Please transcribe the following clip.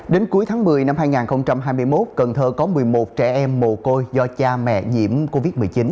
đến cuối tháng một mươi năm hai nghìn hai mươi một cần thơ có một mươi một trẻ em mồ côi do cha mẹ nhiễm covid một mươi chín